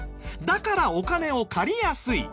だからお金を借りやすい。